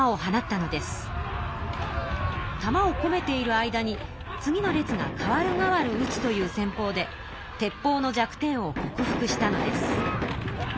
たまをこめている間に次の列がかわるがわるうつという戦法で鉄砲の弱点を克服したのです。